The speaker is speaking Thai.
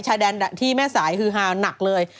ชายด่านที่แม่สายหาหนักเลย